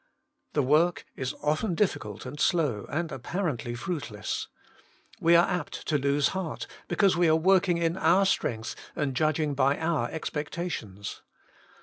The work is often difficult and slow, and ap parently fruitless. We are apt to lose heart, because we are working in our strength and judging by our expectations.